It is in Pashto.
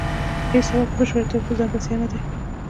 هیڅ هیواد په بشپړه توګه په ځان بسیا نه دی